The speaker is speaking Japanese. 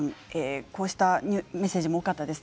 こうしたメッセージも多かったです。